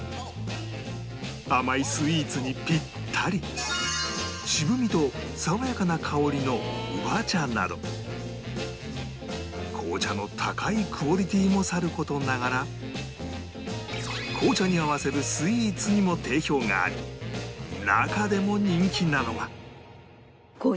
甘いスイーツにピッタリ渋みと爽やかな香りのウヴァ茶など紅茶の高いクオリティーもさる事ながら紅茶に合わせるスイーツにも定評があり中でも人気なのが